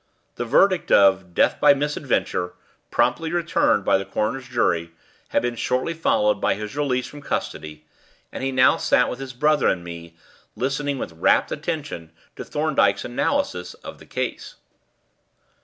The verdict of "Death by misadventure," promptly returned by the coroner's jury, had been shortly followed by his release from custody, and he now sat with his brother and me, listening with rapt attention to Thorndyke's analysis of the case.